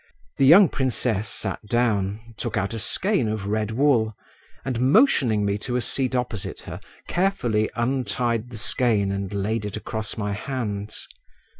The young princess sat down, took out a skein of red wool and, motioning me to a seat opposite her, carefully untied the skein and laid it across my hands.